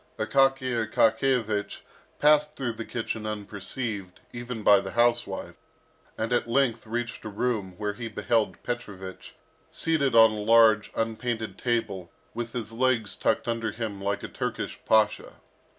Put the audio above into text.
Akaky Akakiyevich passed through the kitchen unperceived, even by the housewife, and at length reached a room where he beheld Petrovich seated on a large unpainted table, with his legs tucked under him like a Turkish pasha.